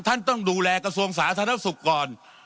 ท่านต้องดูแลกระทรวงสาธารณสุขก่อน